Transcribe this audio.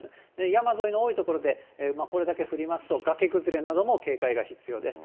山沿いの多い所でこれだけ降りますと、がけ崩れなども警戒が必要です。